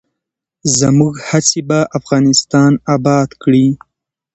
زموږ هڅې به افغانستان اباد کړي.